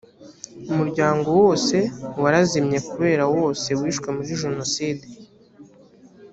umuryango wose warazimye kubera wose wishwe muri jenoside